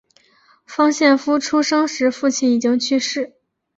方献夫出生时父亲已经去世。